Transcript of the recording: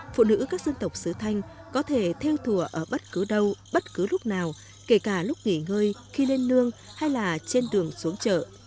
phụ nữ các dân tộc sứ thanh có thể theo thùa ở bất cứ đâu bất cứ lúc nào kể cả lúc nghỉ ngơi khi lên nương hay là trên đường xuống chợ